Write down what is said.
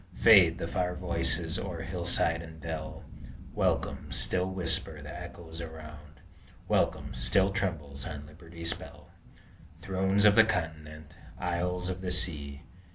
Fade the far voices o'er hillside and dell; Welcome! still whisper the echoes around; Welcome! still trembles on Liberty's bell! Thrones of the continent! isles of the sea!